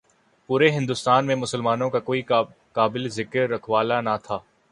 پورے ہندوستان میں مسلمانوں کا کوئی قابل ذکر رکھوالا نہ تھا۔